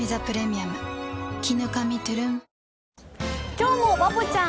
今日もバボちゃん